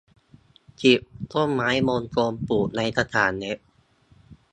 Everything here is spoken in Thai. สิบ ต้นไม้มงคล ปลูกในกระถางเล็ก